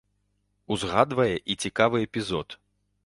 Узгадвае і цікавы эпізод.